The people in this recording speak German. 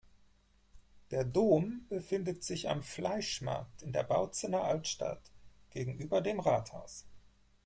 Der Dom befindet sich am Fleischmarkt in der Bautzener Altstadt, gegenüber dem Rathaus.